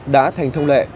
đã thành thông lệ